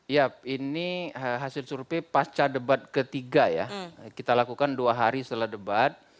ya ini hasil survei pasca debat ketiga ya kita lakukan dua hari setelah debat